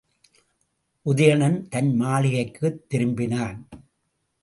உதயணன் தன் மாளிகைக்குத் திரும்பினான்.